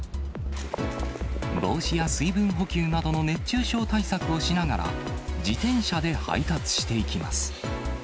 帽子や水分補給などの熱中症対策をしながら、自転車で配達していきます。